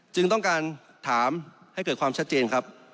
จึงต้องการถามให้เกิดความชัดเจนครับ